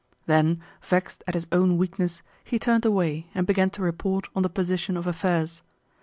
Then, vexed at his own weakness, he turned away and began to report on the position of affairs.